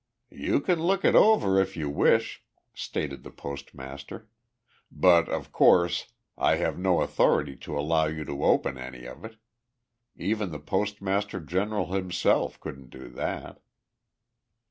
"You can look it over if you wish," stated the postmaster, "but, of course, I have no authority to allow you to open any of it. Even the Postmaster General himself couldn't do that."